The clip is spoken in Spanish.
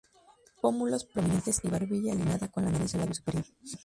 Pómulos prominentes y barbilla alineada con la nariz y el labio superior.